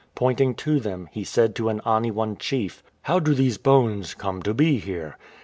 Pointing to them, he said to an Aniwan chief :" How do these bones come to be here